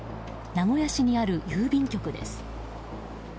名古屋市にある郵便局です。